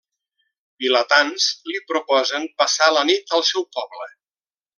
Vilatans li proposen passar la nit al seu poble.